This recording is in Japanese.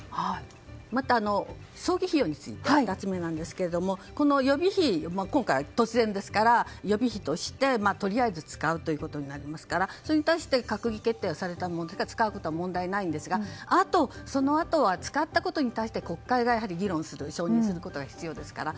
また葬儀費用についてなんですが予備費、突然ですから予備費としてとりあえず使うということになりますからそれに対して閣議決定されたものですから使うことは問題ないんですがそのあとは使ったことに対して国会が議論することが必要ですから。